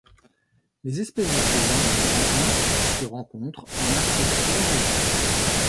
Les espèces de ce genre se rencontrent se rencontrent en Afrique et en Asie.